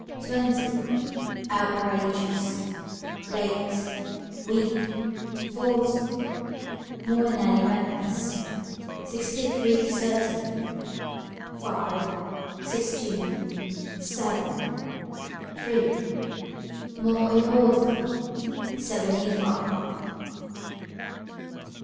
Twenty. Outrageous. Late, Weak. Forty. More in any wetness. Sixty three certainly. Five. Sixteen. Seven. Three. More in orderly. Seventy five.